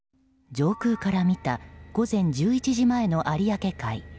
上空から見た午前１１時前の有明海。